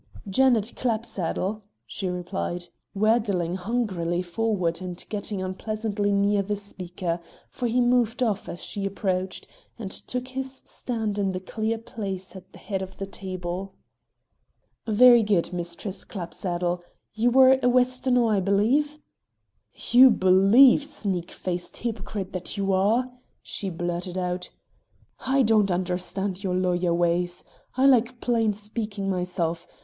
"Janet Clapsaddle," she replied, waddling hungrily forward and getting unpleasantly near the speaker, for he moved off as she approached, and took his stand in the clear place at the head of the table. "Very good, Mistress Clapsaddle. You were a Westonhaugh, I believe?" "You believe, sneak faced hypocrite that you are!" she blurted out. "I don't understand your lawyer ways. I like plain speaking myself.